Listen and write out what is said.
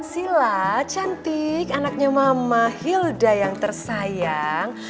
sila cantik anaknya mama hilda yang tersayang